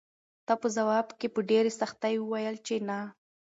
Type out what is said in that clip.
ده په ځواب کې په ډېرې سختۍ وویل چې نه.